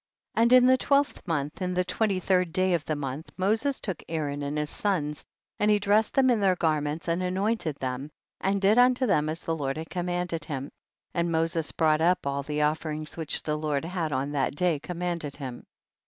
And in the twelfth month, in the twenty third day of the month, Mo ses took Aaron and his sons, and he dressed llicm in their garments, and anointed them and did unto them as the Lord had commanded him, and Moses brought up all the offerings which the Lord had on that day commanded him.